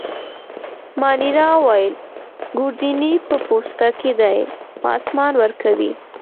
مانیرا وویل: ګوردیني په پوسته کي دی، پاسمان ورکوي.